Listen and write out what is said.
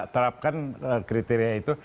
terapkan kriteria itu